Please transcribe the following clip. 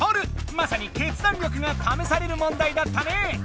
まさに決断力がためされる問題だったね！